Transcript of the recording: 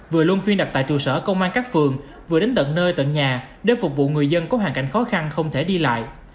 vừa luôn phiên đặt tại trụ sở công an các phường vừa đến tận nơi tận nhà để phục vụ người dân có hoàn cảnh khó khăn không thể đi lại